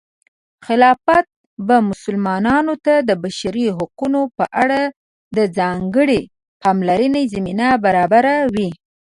خلافت به مسلمانانو ته د بشري حقونو په اړه د ځانګړې پاملرنې زمینه برابروي.